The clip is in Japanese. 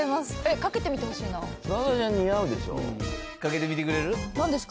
かけてみてくれる？なんですか？